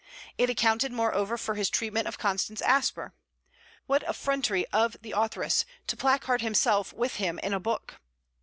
It accounted moreover for his treatment of Constance Asper. What effrontery of the authoress, to placard herself with him in a book!